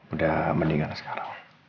udah mendingan sekarang